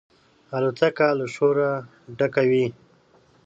الوتکه له شوره ډکه وي.